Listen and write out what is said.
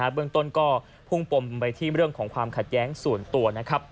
เบื้องต้นก็พุ่งปมไปที่เรื่องของความขัดแย้งส่วนตัวนะครับ